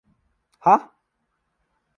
ห๊ะ ! ?